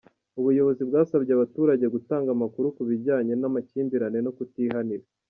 Ubuyobozi bwasabye abaturage gutanga amakuru ku bijyanye n’ amakimbirane no kutihanira.